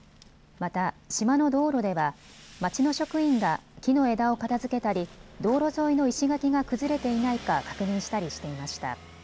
また、島の道路では町の職員が木の枝を片づけたり道路沿いの石垣が崩れていないか確認したりしていました。